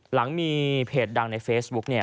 หลังมีเพจดังในเฟซบุ๊กเนี่ย